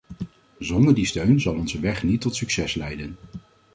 Zonder die steun zal onze weg niet tot succes leiden.